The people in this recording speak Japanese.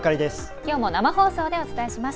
きょうも生放送でお伝えします。